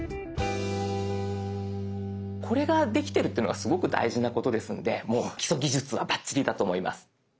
これができてるっていうのがすごく大事なことですのでもう基礎技術はバッチリだと思います。